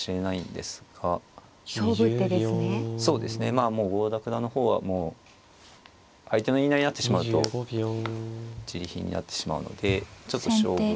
まあもう郷田九段の方はもう相手の言いなりになってしまうとじり貧になってしまうのでちょっと勝負。